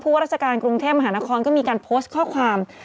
ว่าราชการกรุงเทพมหานครก็มีการโพสต์ข้อความ